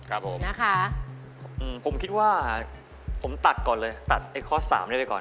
ครับผมนะคะผมคิดว่าผมตัดก่อนเลยตัดไอ้ข้อสามนี้ไปก่อน